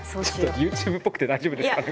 ＹｏｕＴｕｂｅっぽくて大丈夫ですかね？